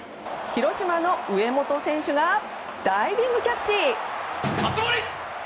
広島の上本選手がダイビングキャッチ！